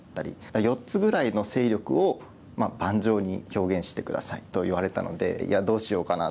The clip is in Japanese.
「４つぐらいの勢力を盤上に表現して下さい」と言われたのでいやどうしようかなと。